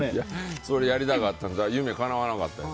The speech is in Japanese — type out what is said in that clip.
それをやりたかったから夢かなわなかったです。